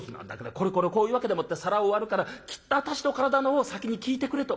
「『これこれこういうわけでもって皿を割るからきっと私の体のほう先に聞いてくれ』と」。